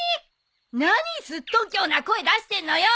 何すっとんきょうな声出してるのよ。